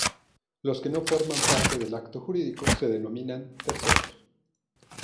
Los que no forman parte del acto jurídico se denominan terceros.